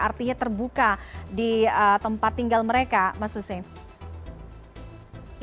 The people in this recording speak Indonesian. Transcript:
artinya terbuka di tempat tinggal mereka mas hussein